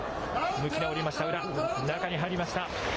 向き直りました、宇良、中に入りました。